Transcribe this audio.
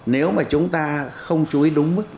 nếu mà chúng ta không chú ý đúng mức